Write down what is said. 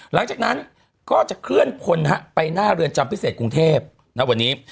หลังจากนั้นก็จะเคลื่อนพลไปหน้าเรือนจำพิเศษกรุงเทพณวันนี้